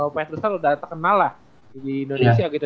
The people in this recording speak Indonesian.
petrus kan udah terkenal lah di indonesia gitu